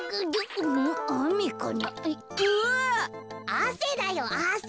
あせだよあせ。